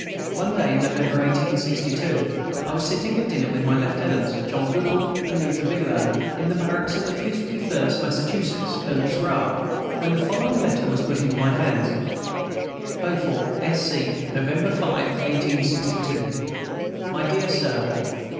One day in November, 1862, I was sitting at dinner with my lieutenants, John Goodell and Luther Bigelow, in the barracks of the Fifty First Massachusetts, Colonel Sprague, when the following letter was put into my hands: BEAUFORT, S. C., November 5, 1862. MY DEAR SIR.